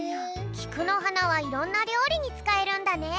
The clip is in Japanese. きくのはなはいろんなりょうりにつかえるんだね。